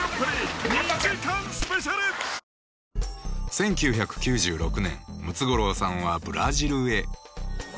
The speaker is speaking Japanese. １９９６年ムツゴロウさんはブラジルへ。